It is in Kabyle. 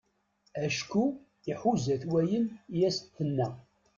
Acku iḥuza-t wayen i as-d-tenna.